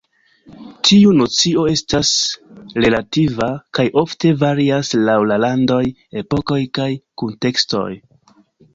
Tiu nocio estas relativa, kaj ofte varias laŭ la landoj, epokoj kaj kuntekstoj.